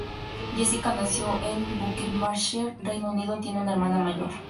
Jessica nació en Buckinghamshire, Reino Unido, tiene una hermana mayor.